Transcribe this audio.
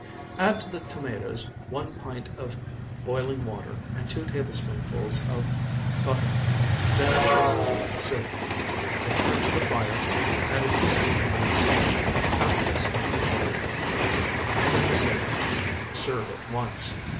Add to the tomatoes one pint of boiling water and two tablespoonfuls of butter, then press through a sieve. Return to the fire, add a teaspoonful of salt, half teaspoonful of pepper and then the sago. Serve at once.